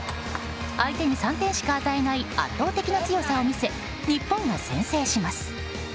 相手に３点しか与えない圧倒的な強さを見せ日本が先制します。